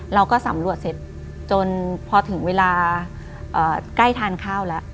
เราก็สำรวจเสร็จจนพอถึงเวลาใกล้ทานข้าวแล้ว